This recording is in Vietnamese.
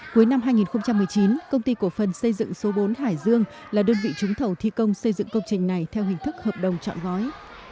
cuối năm hai nghìn một mươi chín công ty cổ phần xây dựng số bốn hải dương là đơn vị trúng thầu thi công xây dựng công trình này theo hình thức hợp đồng chọn gói